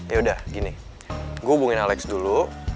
yaudah gini gue hubungin alex dulu